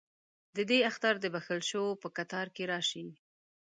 ددې اختر دبخښل شووپه کتار کې راشي